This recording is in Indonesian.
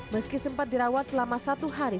meski sempat dirawat selama satu hari